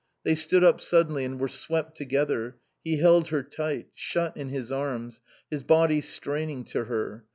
They stood up suddenly and were swept together; he held her tight, shut in his arms, his body straining to her.